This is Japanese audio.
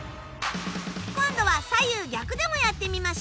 今度は左右逆でもやってみましょう。